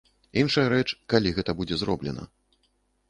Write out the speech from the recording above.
Іншая рэч, калі гэта будзе зроблена.